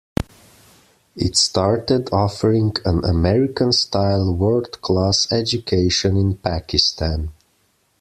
It started offering an American style world class education in Pakistan.